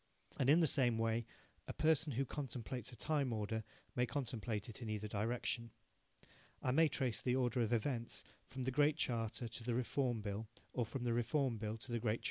And in the same way a person who contemplates a time order may contemplate it in either direction. I may trace the order of events from the Great Charter to the Reform Bill or from the Reform Bill to the Great Charter.